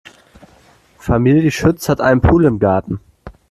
Familie Schütz hat einen Pool im Garten.